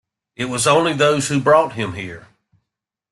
It was only those who brought him here.